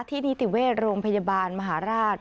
นิติเวชโรงพยาบาลมหาราช